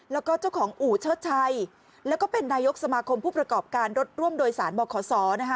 แล้วก็เจ้าของอู่เชิดชัยแล้วก็เป็นนายกสมาคมผู้ประกอบการรถร่วมโดยสารบขศนะคะ